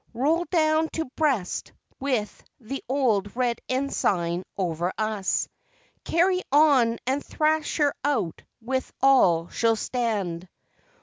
Roll down to Brest with the old Red Ensign over us Carry on and thrash her out with all she'll stand!